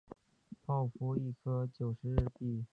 泡芙一颗九十日币